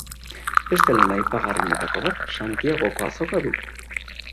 Beste lan aipagarrienetako bat Santiagoko azoka du.